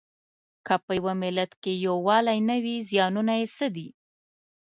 که په یوه ملت کې یووالی نه وي زیانونه یې څه دي؟